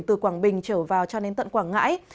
từ quảng bình trở vào cho đến tận quảng ngãi